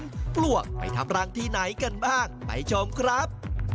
ปลวกไปทำรังที่ไหนกันบ้างไปชมครับ